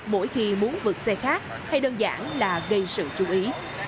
mỗi khi muốn vượt xe khác hay đơn giản là gây sự chú ý